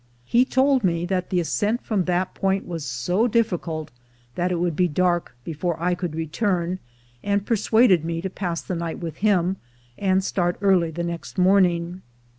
He told me that the ascent from that point was so difficult that it would be dark before I could return, and persuaded me to pass the night with him, and start early the next morning.